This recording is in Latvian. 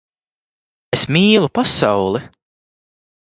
Es mīlu pasauli!